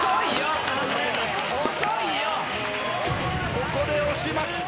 ここで押しました。